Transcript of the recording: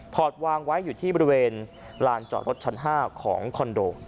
วางไว้อยู่ที่บริเวณลานจอดรถชั้น๕ของคอนโด